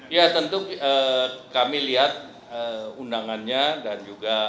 ya tentu kami lihat undangannya dan juga